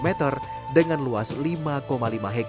tidak se fatigue dengan hidung hidung jamthe cikgu sudah bisa ada hadiritas